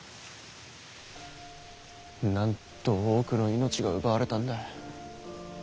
なんと多くの命が奪われたんだ。